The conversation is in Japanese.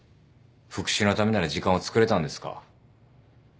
復讐のためなら時間をつくれたんですか？